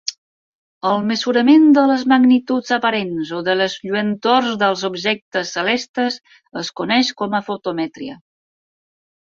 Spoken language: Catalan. El mesurament de les magnituds aparents o de les lluentors dels objectes celestes es coneix com a fotometria.